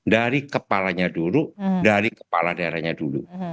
dari kepalanya dulu dari kepala daerahnya dulu